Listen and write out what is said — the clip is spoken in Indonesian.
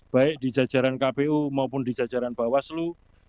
baik di jajaran kpu maupun di jajaran bawaslu